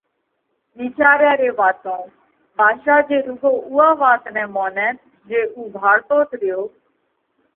وِيچاريا ري واتون ڀاڌشا جي رُوڳو اُوئا وات نئہ مونئت جي اُو ڀاۯتوت ريو،